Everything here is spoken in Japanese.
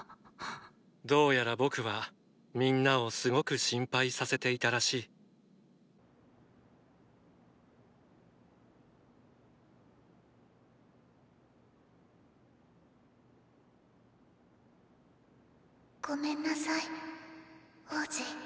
どうやら僕はみんなをすごく心配させていたらしいごめんなさい王子。